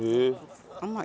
甘い。